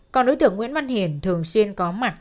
còn đối tượng nguyễn văn hiển thường xuyên có mặt